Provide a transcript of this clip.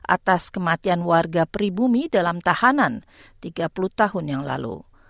atas kematian warga pribumi dalam tahanan tiga puluh tahun yang lalu